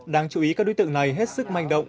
đáng chú ý các đối tượng này hết sức manh động